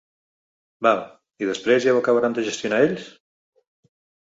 Val, i després ja ho acabaran de gestionar ells?